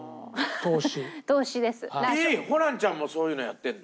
ホランちゃんもそういうのやってるの？